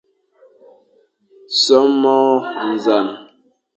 Son môr nẑañ.